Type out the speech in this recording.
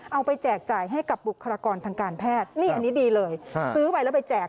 ไปแจกจ่ายให้กับบุคลากรทางการแพทย์นี่อันนี้ดีเลยซื้อไปแล้วไปแจก